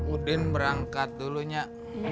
udin berangkat dulu nyak